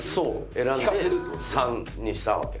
選んで３にしたわけ。